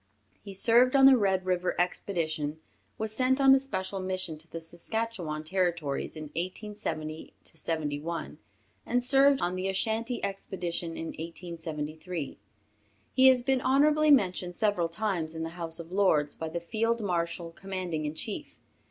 He served on the Red River expedition, was sent on a special mission to the Saskatchewan territories in 1870 71, and served on the Ashantee expedition in 1873. He has been honorably mentioned several times in the House of Lords by the Field Marshal Commanding in Chief.